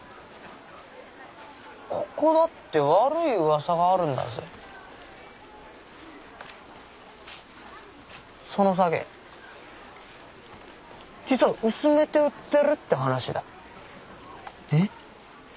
ここだって悪い噂があるんだぜその酒実は薄めて売ってるって話だえっ